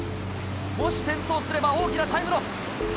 もし転倒すれば大きなタイムロス。